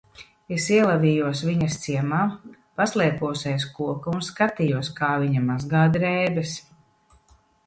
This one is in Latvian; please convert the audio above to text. Es ielavījos viņas ciemā, paslēpos aiz koka un skatījos, kā viņa mazgā drēbes.